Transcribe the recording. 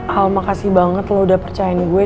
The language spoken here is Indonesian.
hal makasih banget lu udah percaya di gue